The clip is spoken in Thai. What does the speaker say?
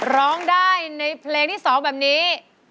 ร้องได้ในเพลงที่๒แบบนี้